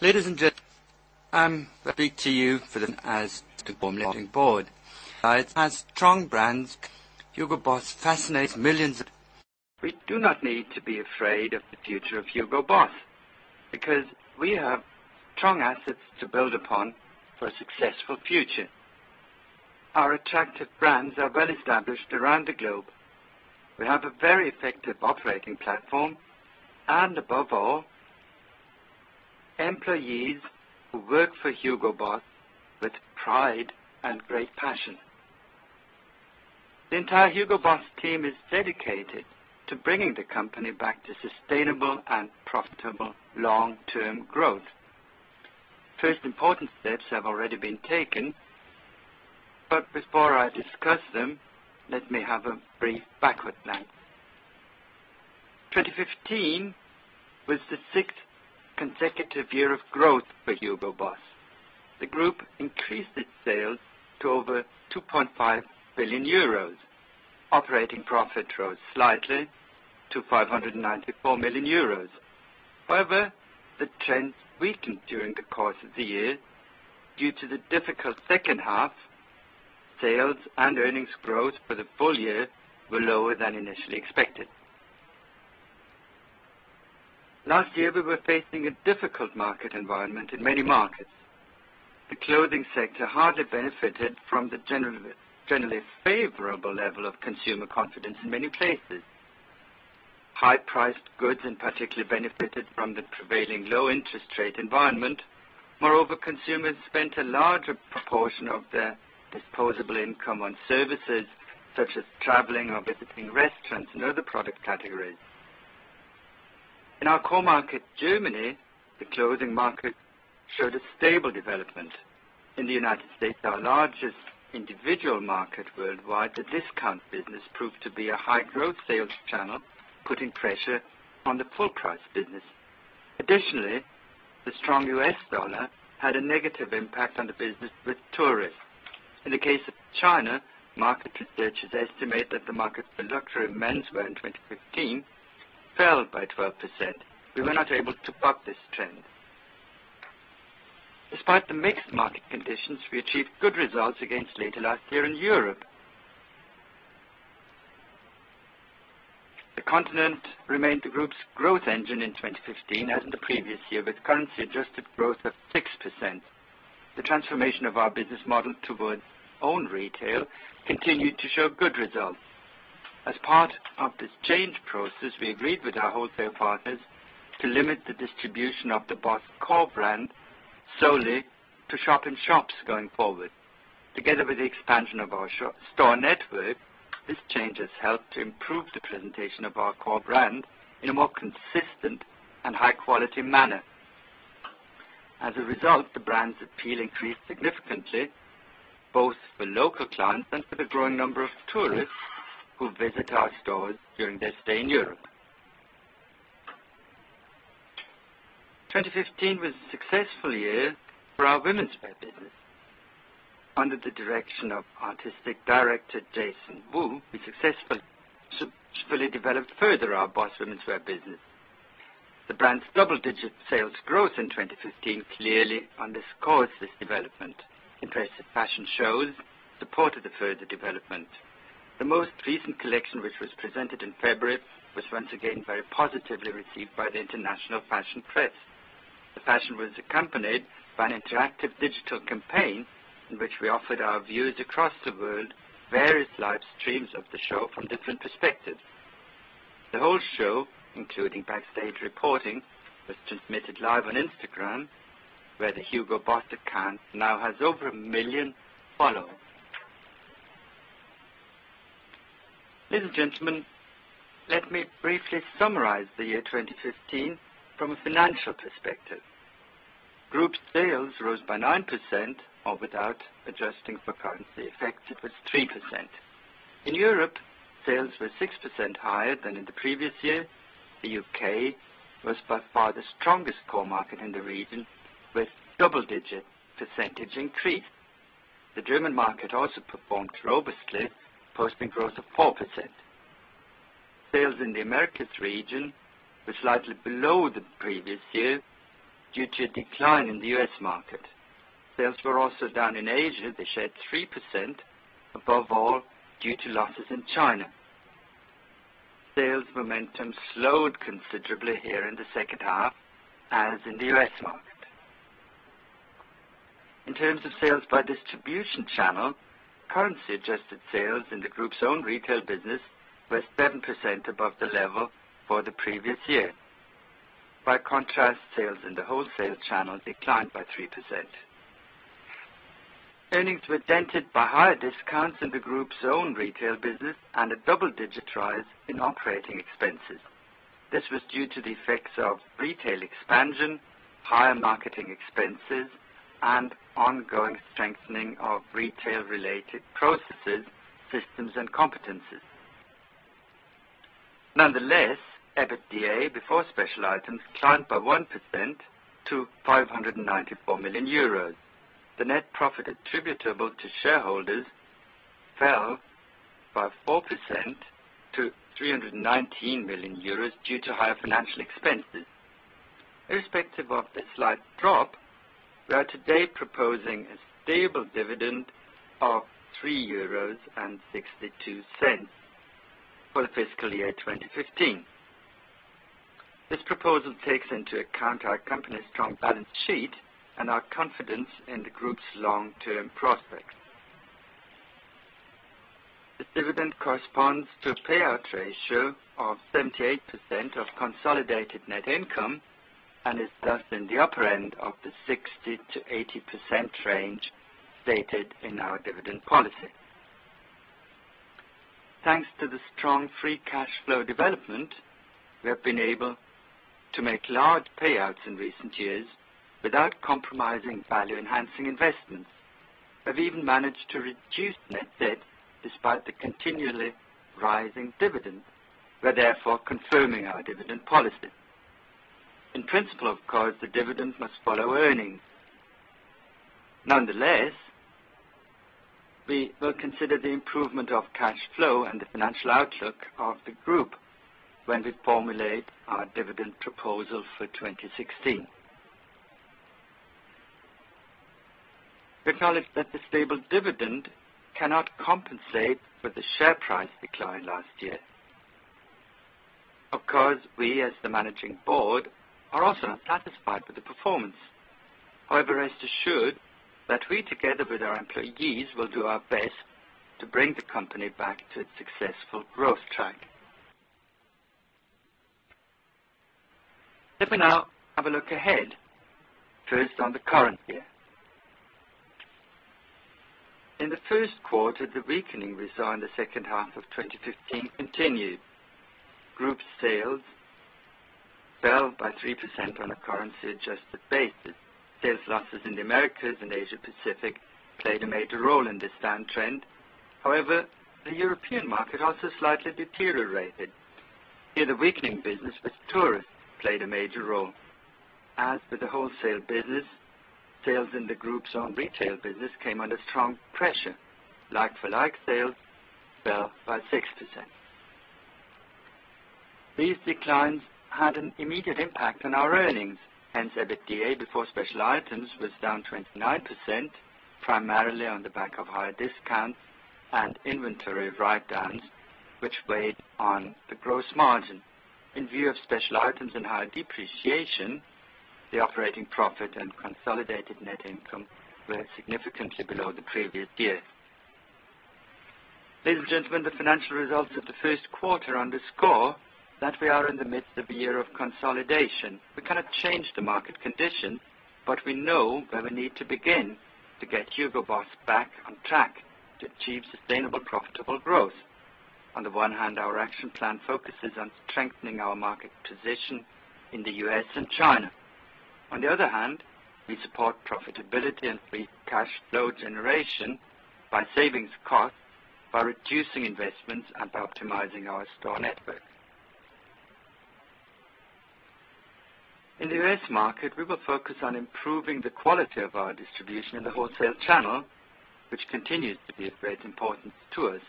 Ladies and gentlemen, I speak to you today as the Managing Board. It has strong brands. HUGO BOSS fascinates millions. We do not need to be afraid of the future of HUGO BOSS, because we have strong assets to build upon for a successful future. Our attractive brands are well-established around the globe. We have a very effective operating platform, and above all, employees who work for HUGO BOSS with pride and great passion. The entire HUGO BOSS team is dedicated to bringing the company back to sustainable and profitable long-term growth. First important steps have already been taken. Before I discuss them, let me have a brief backward glance. 2015 was the sixth consecutive year of growth for HUGO BOSS. The group increased its sales to over 2.5 billion euros. Operating profit rose slightly to 594 million euros. However, the trend weakened during the course of the year due to the difficult second half. Sales and earnings growth for the full year were lower than initially expected. Last year, we were facing a difficult market environment in many markets. The clothing sector hardly benefited from the generally favorable level of consumer confidence in many places. High-priced goods in particular benefited from the prevailing low interest rate environment. Moreover, consumers spent a larger proportion of their disposable income on services such as traveling or visiting restaurants and other product categories. In our core market, Germany, the clothing market showed a stable development. In the United States, our largest individual market worldwide, the discount business proved to be a high-growth sales channel, putting pressure on the full-price business. Additionally, the strong U.S. dollar had a negative impact on the business with tourists. In the case of China, market researchers estimate that the market for luxury menswear in 2015 fell by 12%. We were not able to buck this trend. Despite the mixed market conditions, we achieved good results against later last year in Europe. The continent remained the group's growth engine in 2015, as in the previous year, with currency-adjusted growth of 6%. The transformation of our business model towards own retail continued to show good results. As part of this change process, we agreed with our wholesale partners to limit the distribution of the Boss core brand solely to shop-in-shops going forward. Together with the expansion of our store network, this change has helped to improve the presentation of our core brand in a more consistent and high-quality manner. As a result, the brand's appeal increased significantly, both for local clients and for the growing number of tourists who visit our stores during their stay in Europe. 2015 was a successful year for our womenswear business. Under the direction of Artistic Director, Jason Wu, we successfully developed further our Boss womenswear business. The brand's double-digit sales growth in 2015 clearly underscores this development. Impressive fashion shows supported the further development. The most recent collection, which was presented in February, was once again very positively received by the international fashion press. The fashion was accompanied by an interactive digital campaign in which we offered our viewers across the world various live streams of the show from different perspectives. The whole show, including backstage reporting, was transmitted live on Instagram, where the HUGO BOSS account now has over a million followers. Ladies and gentlemen, let me briefly summarize the year 2015 from a financial perspective. Group sales rose by 9%, or without adjusting for currency effects, it was 3%. In Europe, sales were 6% higher than in the previous year. The U.K. was by far the strongest core market in the region, with double-digit percentage increase. The German market also performed robustly, posting growth of 4%. Sales in the Americas region were slightly below the previous year due to a decline in the U.S. market. Sales were also down in Asia. They shed 3%, above all, due to losses in China. Sales momentum slowed considerably here in the second half, as in the U.S. market. In terms of sales by distribution channel, currency-adjusted sales in the group's own retail business were 7% above the level for the previous year. By contrast, sales in the wholesale channel declined by 3%. Earnings were dented by higher discounts in the group's own retail business and a double-digit rise in operating expenses. This was due to the effects of retail expansion, higher marketing expenses, and ongoing strengthening of retail-related processes, systems, and competencies. Nonetheless, EBITDA before special items climbed by 1% to 594 million euros. The net profit attributable to shareholders fell by 4% to 319 million euros due to higher financial expenses. Irrespective of the slight drop, we are today proposing a stable dividend of 3.62 euros for the fiscal year 2015. This proposal takes into account our company's strong balance sheet and our confidence in the group's long-term prospects. This dividend corresponds to a payout ratio of 78% of consolidated net income, and is thus in the upper end of the 60%-80% range stated in our dividend policy. Thanks to the strong free cash flow development, we have been able to make large payouts in recent years without compromising value-enhancing investments. We've even managed to reduce net debt despite the continually rising dividend. We're therefore confirming our dividend policy. In principle, of course, the dividend must follow earnings. Nonetheless, we will consider the improvement of cash flow and the financial outlook of the group when we formulate our dividend proposal for 2016. We acknowledge that the stable dividend cannot compensate for the share price decline last year. Of course, we, as the Managing Board, are also not satisfied with the performance. However, rest assured that we, together with our employees, will do our best to bring the company back to its successful growth track. Let me now have a look ahead. First, on the current year. In the first quarter, the weakening we saw in the second half of 2015 continued. Group sales fell by 3% on a currency-adjusted basis. Sales losses in the Americas and Asia-Pacific played a major role in this downtrend. However, the European market also slightly deteriorated. Here, the weakening business with tourists played a major role. As for the wholesale business, sales in the group's own retail business came under strong pressure. Like-for-like sales fell by 6%. These declines had an immediate impact on our earnings. Hence, EBITDA before special items was down 29%, primarily on the back of higher discounts and inventory write-downs, which weighed on the gross margin. In view of special items and higher depreciation, the operating profit and consolidated net income were significantly below the previous year. Ladies and gentlemen, the financial results of the first quarter underscore that we are in the midst of a year of consolidation. We cannot change the market condition, but we know where we need to begin to get HUGO BOSS back on track to achieve sustainable profitable growth. On the one hand, our action plan focuses on strengthening our market position in the U.S. and China. On the other hand, we support profitability and free cash flow generation by saving costs, by reducing investments, and by optimizing our store network. In the U.S. market, we will focus on improving the quality of our distribution in the wholesale channel, which continues to be of great importance to us.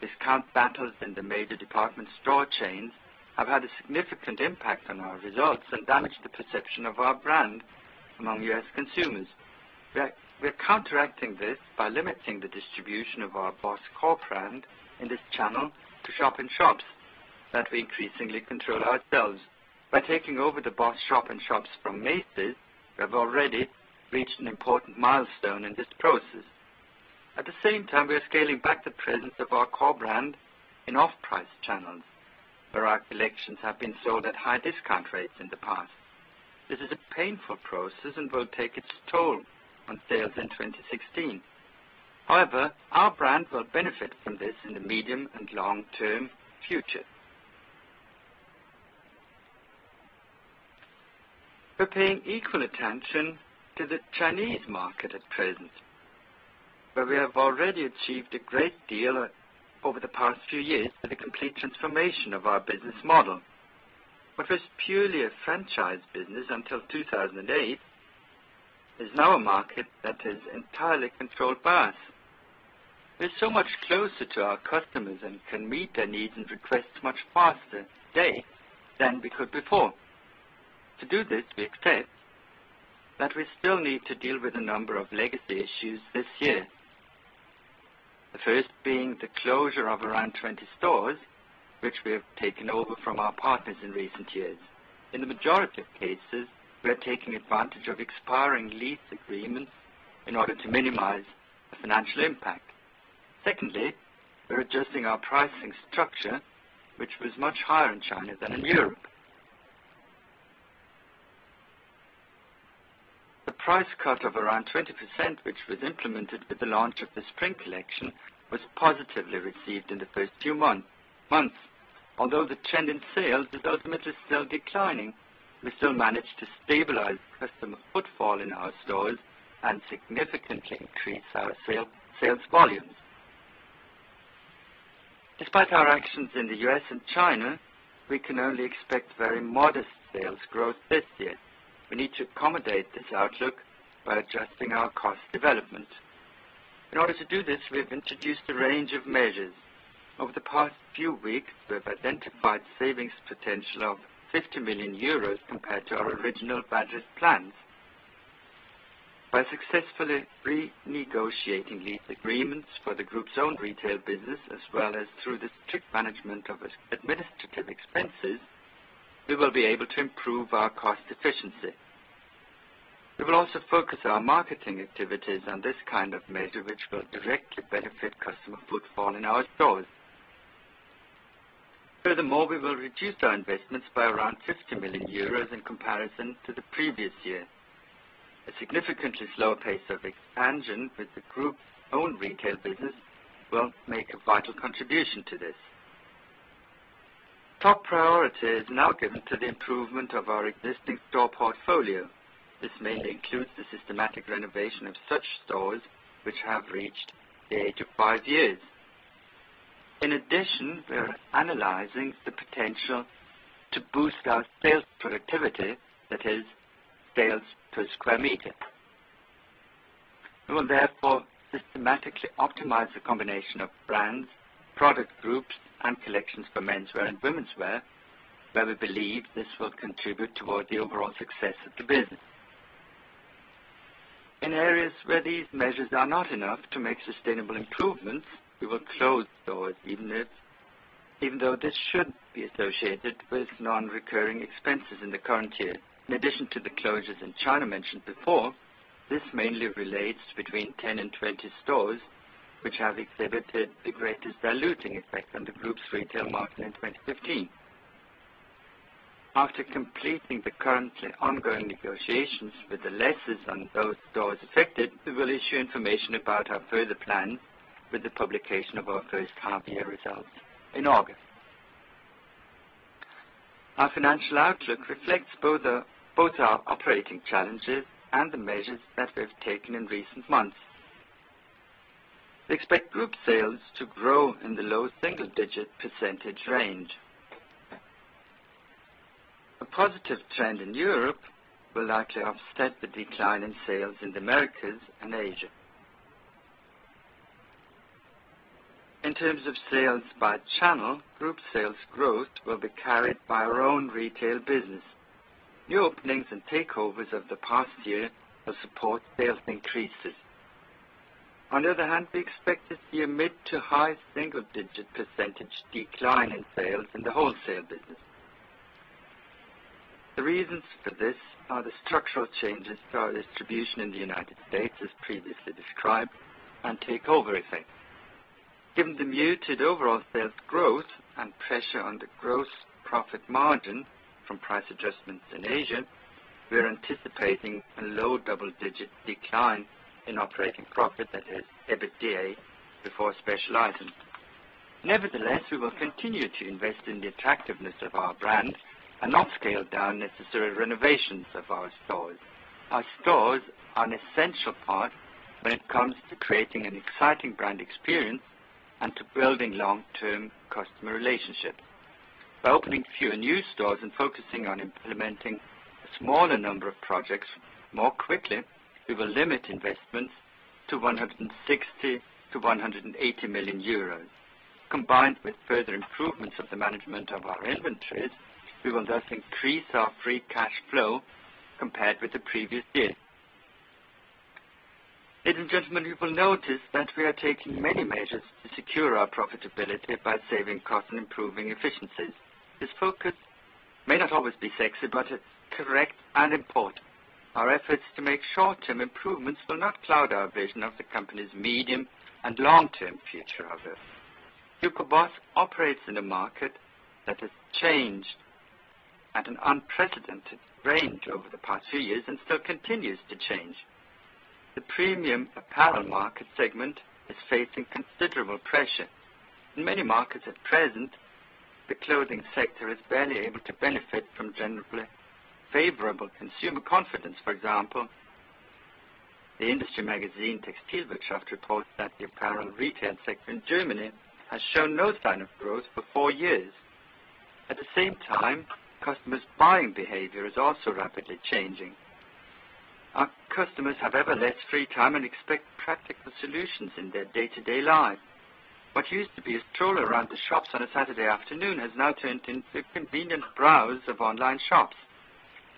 Discount battles in the major department store chains have had a significant impact on our results and damaged the perception of our brand among U.S. consumers. We're counteracting this by limiting the distribution of our Boss core brand in this channel to shop-in-shops that we increasingly control ourselves. By taking over the Boss shop-in-shops from Macy's, we have already reached an important milestone in this process. At the same time, we are scaling back the presence of our core brand in off-price channels, where our collections have been sold at high discount rates in the past. This is a painful process and will take its toll on sales in 2016. However, our brand will benefit from this in the medium and long-term future. We're paying equal attention to the Chinese market at present, where we have already achieved a great deal over the past few years with a complete transformation of our business model. What was purely a franchise business until 2008 is now a market that is entirely controlled by us. We're so much closer to our customers and can meet their needs and requests much faster today than we could before. To do this, we expect that we still need to deal with a number of legacy issues this year. The first being the closure of around 20 stores, which we have taken over from our partners in recent years. In the majority of cases, we are taking advantage of expiring lease agreements in order to minimize the financial impact. Secondly, we're adjusting our pricing structure, which was much higher in China than in Europe. The price cut of around 20%, which was implemented with the launch of the spring collection, was positively received in the first few months. Although the trend in sales is ultimately still declining, we still managed to stabilize customer footfall in our stores and significantly increase our sales volumes. Despite our actions in the U.S. and China, we can only expect very modest sales growth this year. We need to accommodate this outlook by adjusting our cost development. In order to do this, we have introduced a range of measures. Over the past few weeks, we have identified savings potential of 50 million euros compared to our original budget plans. By successfully renegotiating lease agreements for the group's own retail business, as well as through the strict management of its administrative expenses, we will be able to improve our cost efficiency. We will also focus our marketing activities on this kind of measure, which will directly benefit customer footfall in our stores. Furthermore, we will reduce our investments by around 50 million euros in comparison to the previous year. A significantly slower pace of expansion with the group's own retail business will make a vital contribution to this. Top priority is now given to the improvement of our existing store portfolio. This mainly includes the systematic renovation of such stores which have reached the age of five years. In addition, we are analyzing the potential to boost our sales productivity, that is sales per square meter. We will therefore systematically optimize the combination of brands, product groups, and collections for menswear and womenswear, where we believe this will contribute toward the overall success of the business. In areas where these measures are not enough to make sustainable improvements, we will close stores, even though this should be associated with non-recurring expenses in the current year. In addition to the closures in China mentioned before, this mainly relates between 10 and 20 stores which have exhibited the greatest diluting effect on the group's retail margin in 2015. After completing the currently ongoing negotiations with the lessors on both stores affected, we will issue information about our further plan with the publication of our first half year results in August. Our financial outlook reflects both our operating challenges and the measures that we've taken in recent months. We expect group sales to grow in the low single-digit percentage range. A positive trend in Europe will likely offset the decline in sales in the Americas and Asia. In terms of sales by channel, group sales growth will be carried by our own retail business. New openings and takeovers of the past year will support sales increases. On the other hand, we expect to see a mid to high single-digit percentage decline in sales in the wholesale business. The reasons for this are the structural changes to our distribution in the United States, as previously described, and takeover effects. Given the muted overall sales growth and pressure on the gross profit margin from price adjustments in Asia, we are anticipating a low double-digit decline in operating profit that is EBITDA before special items. Nevertheless, we will continue to invest in the attractiveness of our brands and not scale down necessary renovations of our stores. Our stores are an essential part when it comes to creating an exciting brand experience and to building long-term customer relationships. By opening fewer new stores and focusing on implementing a smaller number of projects more quickly, we will limit investments to 160 million-180 million euros. Combined with further improvements of the management of our inventories, we will thus increase our free cash flow compared with the previous year. Ladies and gentlemen, you will notice that we are taking many measures to secure our profitability by saving cost and improving efficiencies. This focus may not always be sexy, but it's correct and important. Our efforts to make short-term improvements will not cloud our vision of the company's medium and long-term future. HUGO BOSS operates in a market that has changed at an unprecedented range over the past few years and still continues to change. The premium apparel market segment is facing considerable pressure. In many markets at present, the clothing sector is barely able to benefit from generally favorable consumer confidence. For example, the industry magazine, TextilWirtschaft, reports that the apparel retail sector in Germany has shown no sign of growth for four years. At the same time, customers' buying behavior is also rapidly changing. Our customers have ever less free time and expect practical solutions in their day-to-day life. What used to be a stroll around the shops on a Saturday afternoon has now turned into a convenient browse of online shops.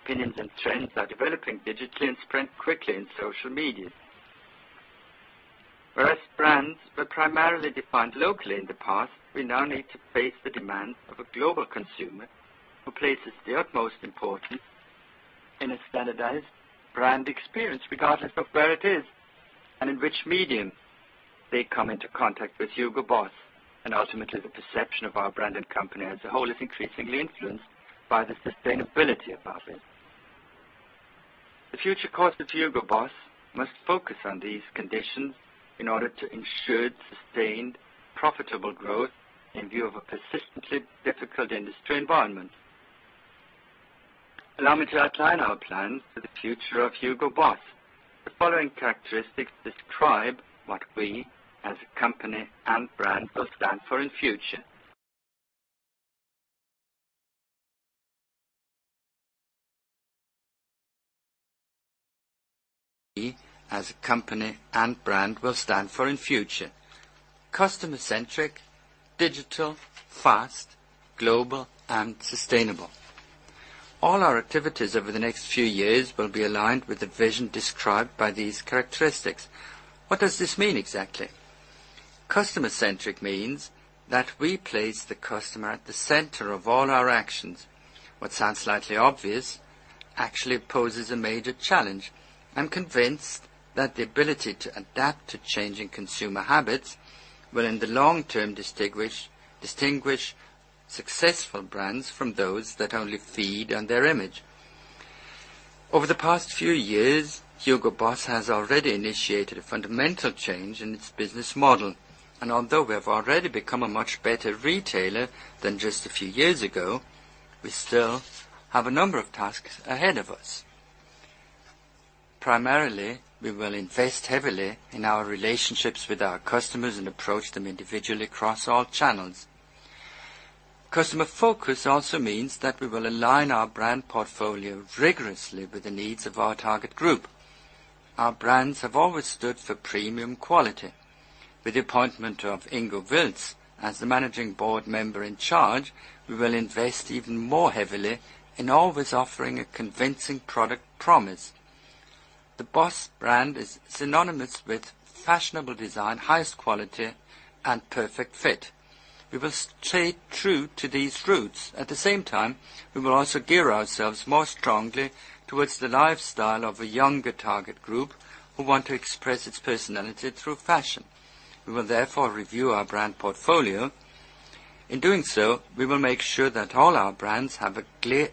Opinions and trends are developing digitally and spread quickly in social media. Whereas brands were primarily defined locally in the past, we now need to face the demands of a global consumer who places the utmost importance in a standardized brand experience, regardless of where it is and in which medium they come into contact with HUGO BOSS. Ultimately, the perception of our brand and company as a whole is increasingly influenced by the sustainability of our business. The future course of HUGO BOSS must focus on these conditions in order to ensure sustained, profitable growth in view of a persistently difficult industry environment. Allow me to outline our plans for the future of HUGO BOSS. The following characteristics describe what we, as a company and brand, will stand for in future. Customer-centric, digital, fast, global and sustainable. All our activities over the next few years will be aligned with the vision described by these characteristics. What does this mean exactly? Customer-centric means that we place the customer at the center of all our actions. What sounds slightly obvious actually poses a major challenge. I'm convinced that the ability to adapt to changing consumer habits will in the long term distinguish successful brands from those that only feed on their image. Over the past few years, HUGO BOSS has already initiated a fundamental change in its business model. Although we have already become a much better retailer than just a few years ago, we still have a number of tasks ahead of us. Primarily, we will invest heavily in our relationships with our customers and approach them individually across all channels. Customer focus also means that we will align our brand portfolio rigorously with the needs of our target group. Our brands have always stood for premium quality. With the appointment of Ingo Wilts as the Managing Board Member in Charge, we will invest even more heavily in always offering a convincing product promise. The Boss brand is synonymous with fashionable design, highest quality, and perfect fit. We will stay true to these roots. At the same time, we will also gear ourselves more strongly towards the lifestyle of a younger target group who want to express its personality through fashion. We will therefore review our brand portfolio. In doing so, we will make sure that all our brands have a clear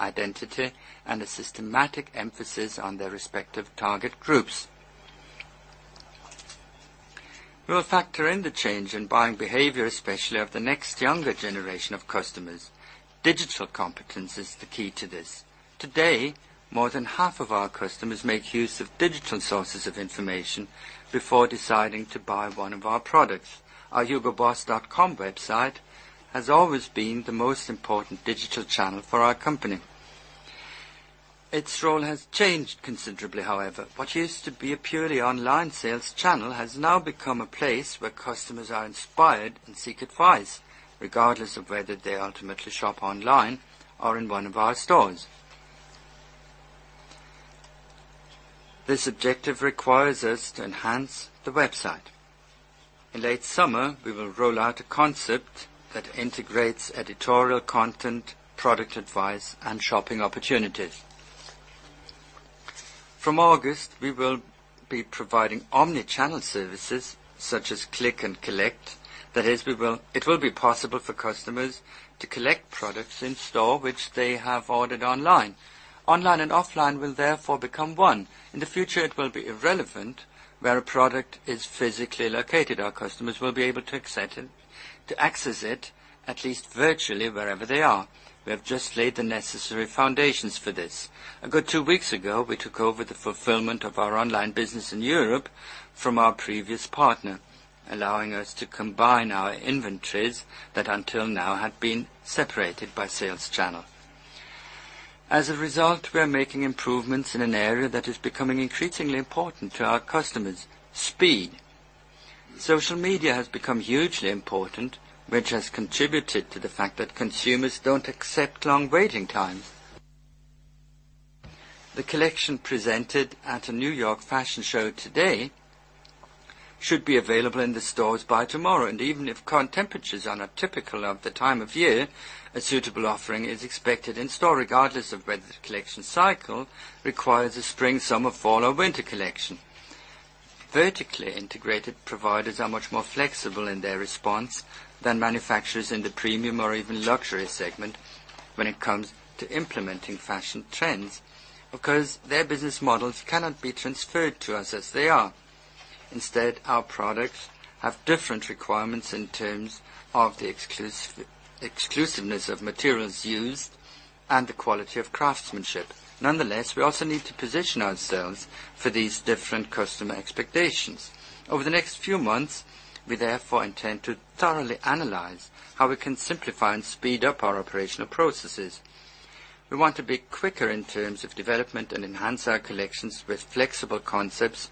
identity and a systematic emphasis on their respective target groups. We will factor in the change in buying behavior, especially of the next younger generation of customers. Digital competence is the key to this. Today, more than half of our customers make use of digital sources of information before deciding to buy one of our products. Our hugoboss.com website has always been the most important digital channel for our company. Its role has changed considerably, however. What used to be a purely online sales channel has now become a place where customers are inspired and seek advice, regardless of whether they ultimately shop online or in one of our stores. This objective requires us to enhance the website. In late summer, we will roll out a concept that integrates editorial content, product advice, and shopping opportunities. From August, we will be providing omni-channel services such as click and collect. That is, it will be possible for customers to collect products in-store which they have ordered online. Online and offline will therefore become one. In the future, it will be irrelevant where a product is physically located. Our customers will be able to access it at least virtually wherever they are. We have just laid the necessary foundations for this. A good two weeks ago, we took over the fulfillment of our online business in Europe from our previous partner, allowing us to combine our inventories that until now had been separated by sales channel. As a result, we are making improvements in an area that is becoming increasingly important to our customers, speed. Social media has become hugely important, which has contributed to the fact that consumers don't accept long waiting times. The collection presented at a New York fashion show today should be available in the stores by tomorrow. Even if current temperatures are not typical of the time of year, a suitable offering is expected in store, regardless of whether the collection cycle requires a spring, summer, fall, or winter collection. Vertically integrated providers are much more flexible in their response than manufacturers in the premium or even luxury segment when it comes to implementing fashion trends, because their business models cannot be transferred to us as they are. Instead, our products have different requirements in terms of the exclusiveness of materials used and the quality of craftsmanship. Nonetheless, we also need to position ourselves for these different customer expectations. Over the next few months, we therefore intend to thoroughly analyze how we can simplify and speed up our operational processes. We want to be quicker in terms of development and enhance our collections with flexible concepts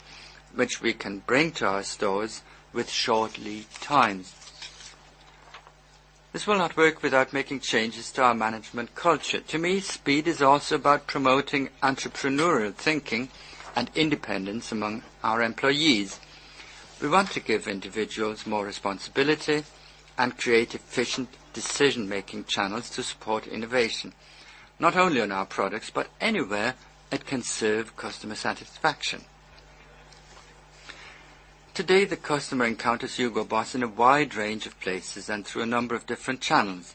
which we can bring to our stores with short lead times. This will not work without making changes to our management culture. To me, speed is also about promoting entrepreneurial thinking and independence among our employees. We want to give individuals more responsibility and create efficient decision-making channels to support innovation, not only on our products, but anywhere it can serve customer satisfaction. Today, the customer encounters HUGO BOSS in a wide range of places and through a number of different channels.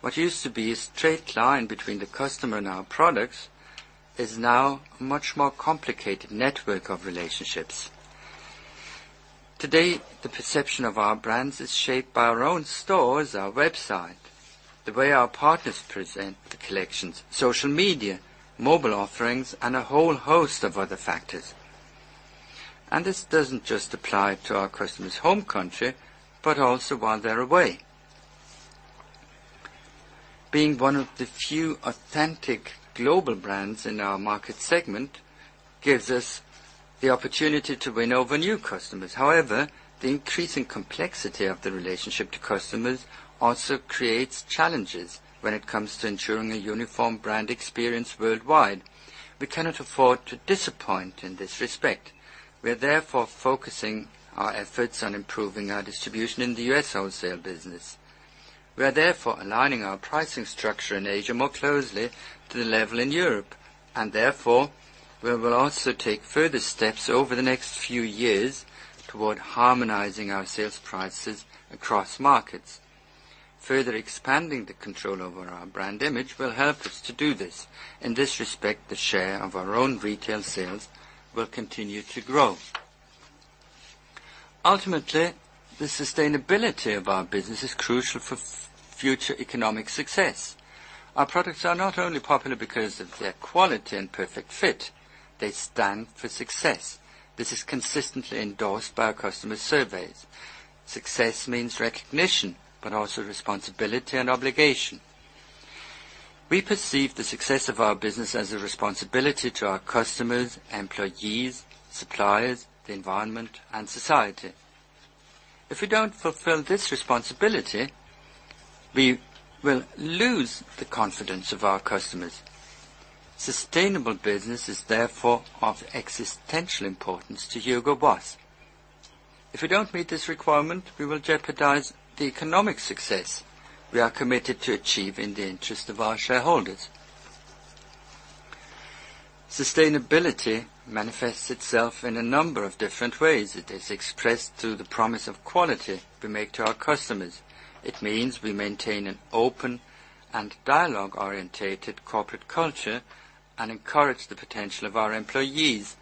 What used to be a straight line between the customer and our products is now a much more complicated network of relationships. Today, the perception of our brands is shaped by our own stores, our website, the way our partners present the collections, social media, mobile offerings, and a whole host of other factors. This doesn't just apply to our customer's home country, but also while they're away. Being one of the few authentic global brands in our market segment gives us the opportunity to win over new customers. However, the increasing complexity of the relationship to customers also creates challenges when it comes to ensuring a uniform brand experience worldwide. We cannot afford to disappoint in this respect. We are therefore focusing our efforts on improving our distribution in the U.S. wholesale business. We are therefore aligning our pricing structure in Asia more closely to the level in Europe, and therefore, we will also take further steps over the next few years toward harmonizing our sales prices across markets. Further expanding the control over our brand image will help us to do this. In this respect, the share of our own retail sales will continue to grow. Ultimately, the sustainability of our business is crucial for future economic success. Our products are not only popular because of their quality and perfect fit, they stand for success. This is consistently endorsed by our customer surveys. Success means recognition, but also responsibility and obligation. We perceive the success of our business as a responsibility to our customers, employees, suppliers, the environment, and society. If we don't fulfill this responsibility, we will lose the confidence of our customers. Sustainable business is therefore of existential importance to HUGO BOSS. If we don't meet this requirement, we will jeopardize the economic success we are committed to achieve in the interest of our shareholders. Sustainability manifests itself in a number of different ways. It is expressed through the promise of quality we make to our customers. It means we maintain an open and dialogue-orientated corporate culture and encourage the potential of our employees.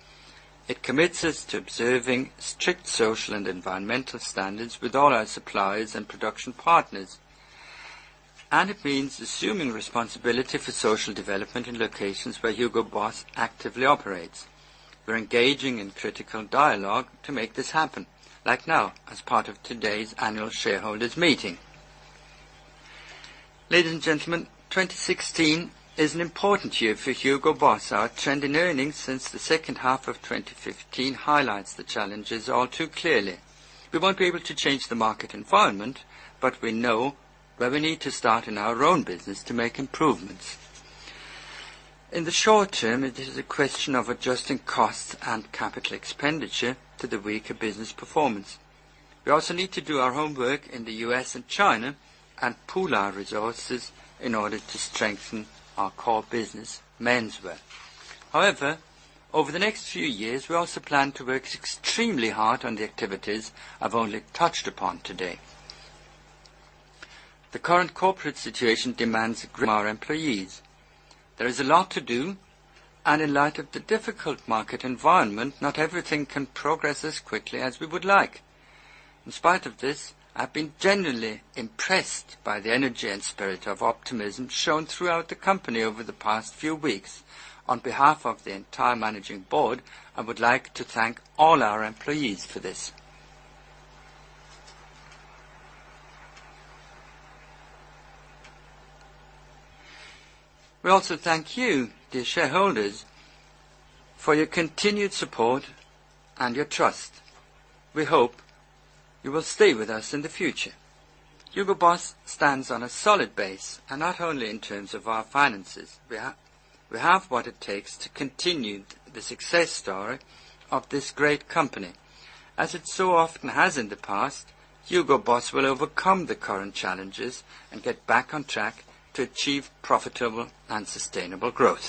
It commits us to observing strict social and environmental standards with all our suppliers and production partners. It means assuming responsibility for social development in locations where HUGO BOSS actively operates. We're engaging in critical dialogue to make this happen, like now, as part of today's annual shareholders meeting. Ladies and gentlemen, 2016 is an important year for HUGO BOSS. Our trend in earnings since the second half of 2015 highlights the challenges all too clearly. We won't be able to change the market environment, but we know where we need to start in our own business to make improvements. In the short term, it is a question of adjusting costs and capital expenditure to the weaker business performance. We also need to do our homework in the U.S. and China and pool our resources in order to strengthen our core business, menswear. Over the next few years, we also plan to work extremely hard on the activities I've only touched upon today. The current corporate situation demands our employees. There is a lot to do, and in light of the difficult market environment, not everything can progress as quickly as we would like. In spite of this, I've been genuinely impressed by the energy and spirit of optimism shown throughout the company over the past few weeks. On behalf of the entire Managing Board, I would like to thank all our employees for this. We also thank you, dear shareholders, for your continued support and your trust. We hope you will stay with us in the future. HUGO BOSS stands on a solid base, and not only in terms of our finances. We have what it takes to continue the success story of this great company. As it so often has in the past, Hugo Boss will overcome the current challenges and get back on track to achieve profitable and sustainable growth.